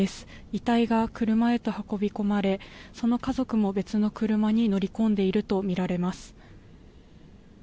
遺体が車へと運び込まれその家族も別の車に乗り込んでいるとみられます。